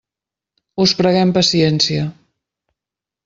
Us preguem paciència.